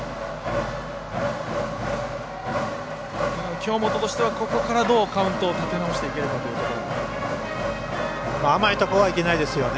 京本としてはここからどうカウントを立て直していけるかですね。